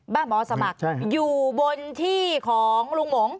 หมอสมัครอยู่บนที่ของลุงหมง